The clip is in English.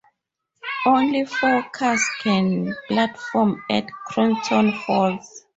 Only four cars can platform at Croton Falls.